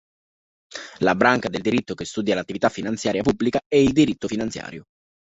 La branca del diritto che studia l'attività finanziaria pubblica è il diritto finanziario.